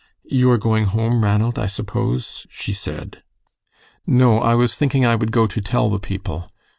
"You are going home, Ranald, I suppose," she said. "No, I was thinking I would go to tell the people.